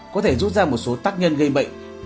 có thể rút ra một số tác nhân gây bệnh